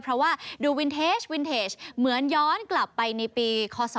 เพราะว่าดูวินเทจวินเทจเหมือนย้อนกลับไปในปีคศ